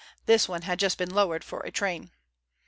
This one had just been lowered for a train.